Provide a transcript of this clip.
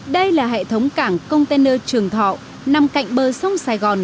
đây là hệ thống cảng container trường thọ nằm cạnh bờ sông sài gòn